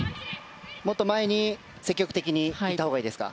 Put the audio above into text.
もっと前に積極的にいったほうがいいですか。